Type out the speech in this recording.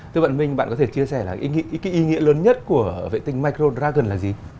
thưa bạn minh bạn có thể chia sẻ là cái ý nghĩa lớn nhất của vệ tinh micro dragon là gì